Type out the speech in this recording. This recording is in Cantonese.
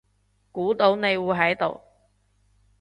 估到你會喺度